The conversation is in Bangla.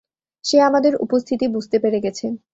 সে আমাদের উপস্থিতি বুঝতে পেরে গেছে।